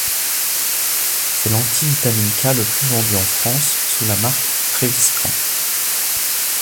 C'est l'anti-vitamine K le plus vendu en France sous la marque Previscan.